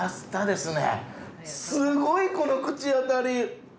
すごいこの口当たり！